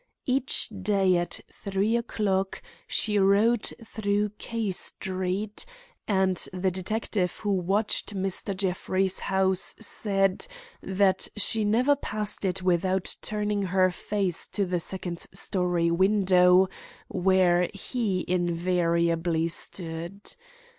Each day at three o'clock she rode through K Street, and the detective who watched Mr. Jeffrey's house said that she never passed it without turning her face to the second story window, where he invariably stood.